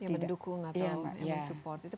mendukung atau mendukung